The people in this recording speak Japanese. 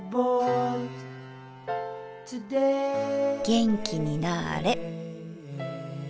元気になあれ。